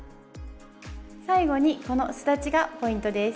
最後にこのすだちがポイントです。